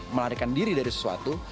melarikan diri dari sesuatu